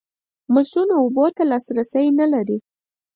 مصؤنو اوبو ته لاسرسی نه لري.